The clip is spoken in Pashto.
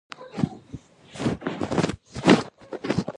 په پارسي یې وویل چاره نه لرم.